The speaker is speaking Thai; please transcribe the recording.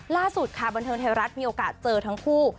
ล่าสุดค่ะบันเทิงไทยรัฐมีโอกาสเจอทั้งคู่